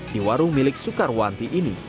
di warung milik soekarwanti ini